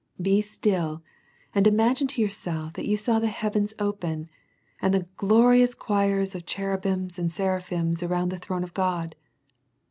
Be still, and imagine to yourself, that you saw the heavens open, and the glorious choir of Cherubims and Seraphims about the throne of God.